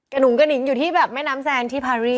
หนุงกระหิงอยู่ที่แบบแม่น้ำแซนที่พารี่